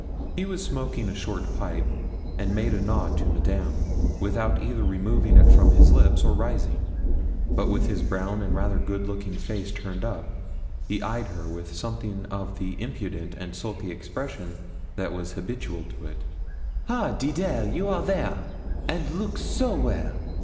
He was smoking a short pipe, and made a nod to Madame, without either removing it from his lips or rising, but with his brown and rather good looking face turned up, he eyed her with something of the impudent and sulky expression that was habitual to it. 'Ha, Deedle, you are there! an' look so well.